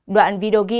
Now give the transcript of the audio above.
đoạn video ghi lại